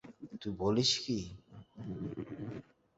তুই বলিস কী!